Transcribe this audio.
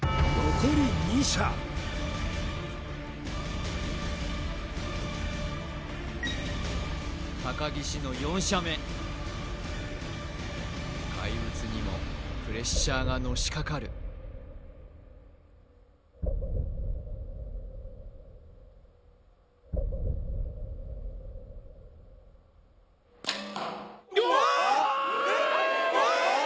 残り２射高岸の４射目怪物にもプレッシャーがのしかかるおあーっ！